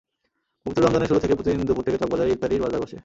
পবিত্র রমজানের শুরু থেকেই প্রতিদিন দুপুর থেকে চকবাজারে ইফতারির বাজার বসে।